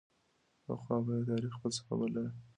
پخوا به یې د تاریخ فلسفه بلله.